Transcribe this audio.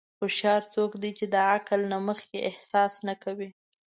هوښیار څوک دی چې د عقل نه مخکې احساس نه کوي.